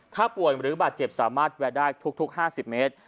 ถ้าป่วยหรือบาดเจ็บสามารถแวะได้ทุก๕๐เมตร